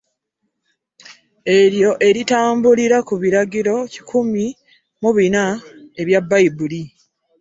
Eryo eritambulira ku biragiro kikumi mu bina ebya Bbayibuli.